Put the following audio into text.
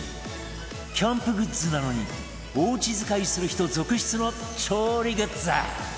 キャンプグッズなのにおうち使いする人続出の調理グッズ